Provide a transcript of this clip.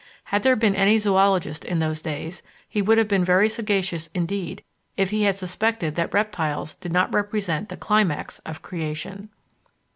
Had there been any zoologist in those days, he would have been very sagacious indeed if he had suspected that reptiles did not represent the climax of creation.